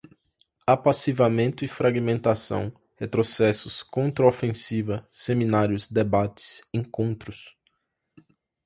Apassivamento e fragmentação, retrocessos, contraofensiva, seminários, debates, encontros